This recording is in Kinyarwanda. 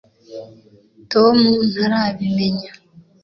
tom ntarabimenya